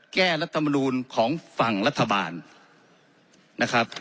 รัฐมนูลของฝั่งรัฐบาลนะครับ